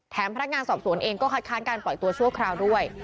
พนักงานสอบสวนเองก็คัดค้านการปล่อยตัวชั่วคราวด้วย